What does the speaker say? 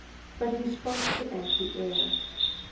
But he spoke to empty air.